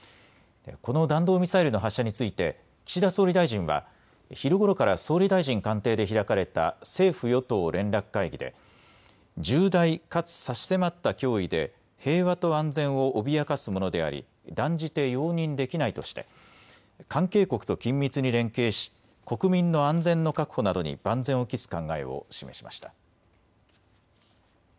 この弾道ミサイルの発射について岸田総理大臣は昼ごろから総理大臣官邸で開かれた政府与党連絡会議で重大かつ差し迫った脅威で平和と安全を脅かすものであり断じて容認できないとして関係国と緊密に連携し国民の安全の確保などに万全を期す考えを示しました。